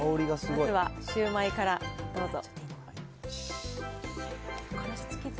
まずはシュウマイからどうぞ。